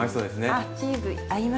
あっチーズ合いますね。